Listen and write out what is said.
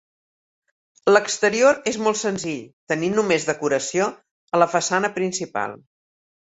L'exterior és molt senzill, tenint només decoració a la façana principal.